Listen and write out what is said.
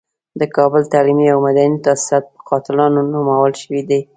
د کابل تعلیمي او مدني تاسیسات په قاتلانو نومول شوي دي.